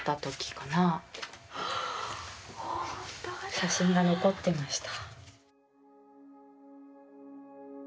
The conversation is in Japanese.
写真が残っていました。